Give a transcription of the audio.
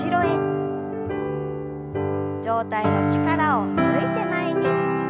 上体の力を抜いて前に。